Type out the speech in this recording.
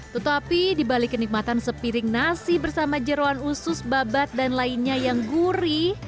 tetapi dibalik kenikmatan sepiring nasi bersama jeruan usus babat dan lainnya yang gurih